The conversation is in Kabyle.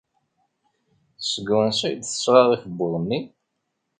Seg wansi ay d-tesɣa akebbuḍ-nni?